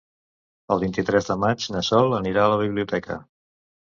El vint-i-tres de maig na Sol anirà a la biblioteca.